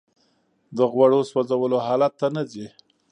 د غوړو سوځولو حالت ته نه ځي